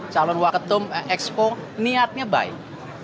calon waketum expo niatnya baik